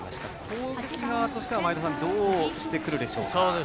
攻撃側としては前田さんどうしてくるでしょうか。